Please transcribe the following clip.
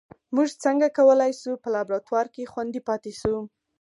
موږ څنګه کولای شو په لابراتوار کې خوندي پاتې شو